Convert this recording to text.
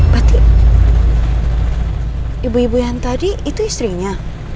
berarti ibu ibu yang tadi itu istrinya